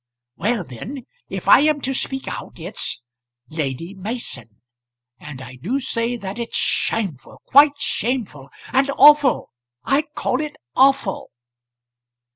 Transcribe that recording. "Well then; if I am to speak out, it's Lady Mason. And I do say that it's shameful, quite shameful; and awful; I call it awful."